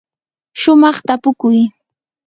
shumaq tapukuy.